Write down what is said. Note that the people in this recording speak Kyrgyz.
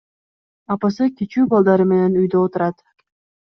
Апасы кичүү балдары менен үйдө отурат.